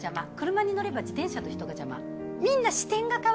車に乗れば自転車と人が邪魔。